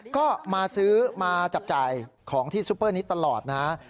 ก็มาซื้อมาจับจ่ายของที่ซุปเปอร์นี้ตลอดนะ